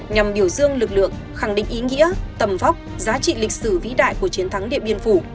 nhằm biểu dương lực lượng khẳng định ý nghĩa tầm vóc giá trị lịch sử vĩ đại của chiến thắng điện biên phủ